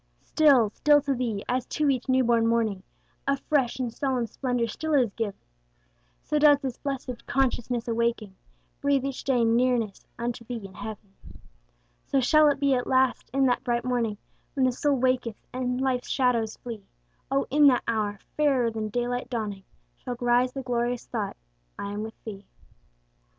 Still, still to Thee, as to each new born morning, A fresh and solemn splendor still is giv'n, So does this blessed consciousness awaking, Breathe each day nearness unto Thee and heav'n. So shall it be at last in that bright morning, When the soul waketh, and life's shadows flee; O in that hour, fairer than daylight dawning, Shall rise the glorious thought I am with Thee.